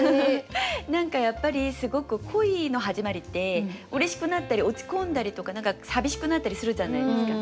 何かやっぱりすごく恋の始まりってうれしくなったり落ち込んだりとか何か寂しくなったりするじゃないですか。